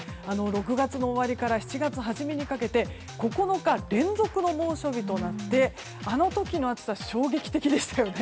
６月の終わりから７月初めにかけて９日連続の猛暑日となってあの時の暑さ衝撃的でしたよね。